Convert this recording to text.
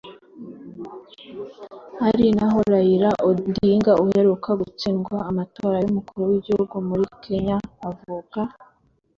ari naho Raila Odinga uheruka gutsindwa amatora y’umukuru w’igihugu muri Kenya avuka